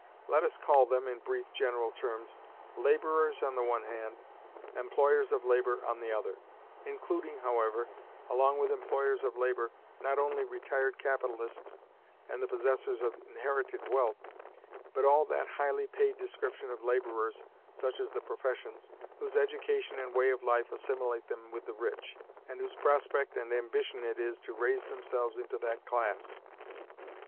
Let us call them (in brief general terms) laborers on the one hand, employers of labor on the other; including, however, along with employers of labor not only retired capitalists and the possessors of inherited wealth, but all that highly paid description of laborers (such as the professions) whose education and way of life assimilate them with the rich, and whose prospect and ambition it is to raise themselves into that class.